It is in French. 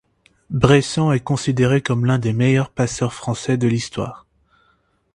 Bressant est considéré comme l'un des meilleurs passeurs français de l'histoire.